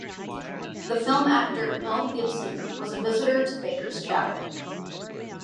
The film actor Mel Gibson was a visitor to Baker's chapel.